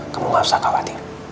kamu gak usah khawatir